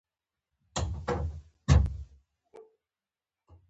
په افغانستان کې آب وهوا د ژوند په کیفیت تاثیر لري.